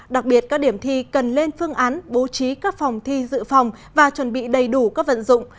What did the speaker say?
đặc biệt các điểm thi cần lên phương án bố trí các phòng thi dự phòng và chuẩn bị đầy đủ các vận dụng